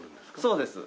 そうです。